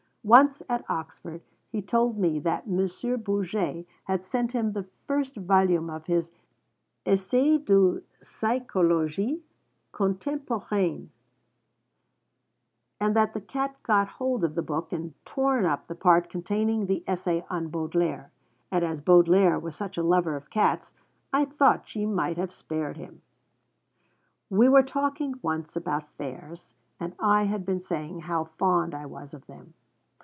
Once at Oxford he told me that M. Bourget had sent him the first volume of his Essais de Psychologie Contemporaine, and that the cat had got hold of the book and torn up the part containing the essay on Baudelaire, 'and as Baudelaire was such a lover of cats I thought she might have spared him!' We were talking once about fairs, and I had been saying how fond I was of them.